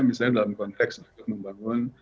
misalnya dalam konteks untuk membangun